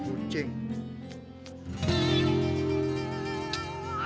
aduh kori mana ya